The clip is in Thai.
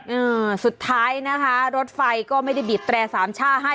เออสุดท้ายนะคะรถไฟก็ไม่ได้บีบแตร่สามช่าให้